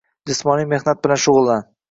Jismoniy mehnat bilan shug‘ullan.